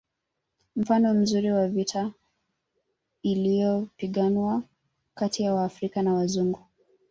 Mfano mzuri wa vita iliyopiganwa kati ya Waafrika na Wazungu